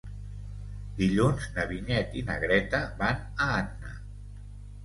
Dilluns na Vinyet i na Greta van a Anna.